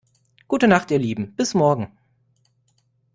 Gute Nacht ihr Lieben, bis morgen.